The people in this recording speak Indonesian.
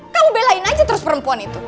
kamu belain aja terus perempuan itu